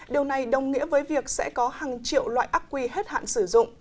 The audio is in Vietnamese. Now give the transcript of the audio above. điều này đồng nghĩa với việc sẽ có hàng triệu loại ác quy hết hạn sử dụng